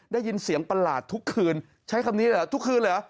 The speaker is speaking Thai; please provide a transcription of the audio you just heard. ได้ยินเสียงประหลาดทุกคืนใช้คำนี้เหรอทุกคืนเหรอ